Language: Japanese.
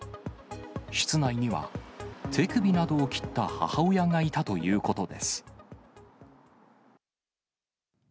室内には、手首などを切った母親がいたということです。